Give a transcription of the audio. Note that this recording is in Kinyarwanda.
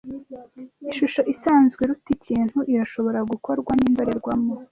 Ishusho isanzwe iruta ikintu irashobora gukorwa nindorerwamo